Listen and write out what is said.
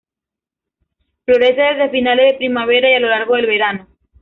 Florece desde finales de primavera y a lo largo del verano.